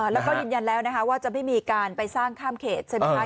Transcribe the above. แล้วก็ยืนยันแล้วว่าจะไม่มีการไปสร้างข้ามเขตสินค้า